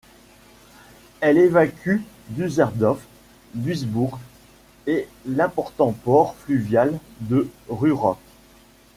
Elles évacuent Düsseldorf, Duisbourg et l’important port fluvial de Ruhrort.